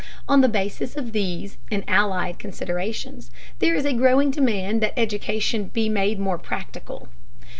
On the basis of these and allied considerations, there is a growing demand that education be made more "practical."